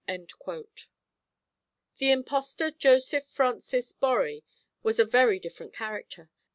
The impostor Joseph Francis Borri was a very different character.